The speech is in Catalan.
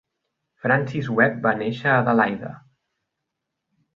Francis Webb va néixer a Adelaida.